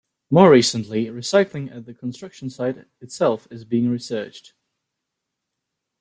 More recently, recycling at the construction site itself is being researched.